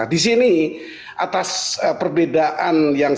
nah di sini atas perbedaan yang saya